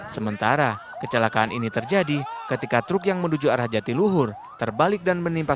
sementara kecelakaan ini terjadi ketika truk yang menuju arah jatiluhur terbalik dan menimpa